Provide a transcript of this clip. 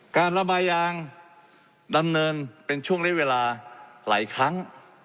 การระบายยางดำเนินเป็นช่วงเรียกเวลาหลายครั้ง